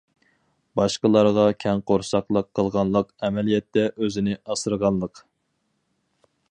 باشقىلارغا كەڭ قورساقلىق قىلغانلىق ئەمەلىيەتتە ئۆزىنى ئاسرىغانلىق.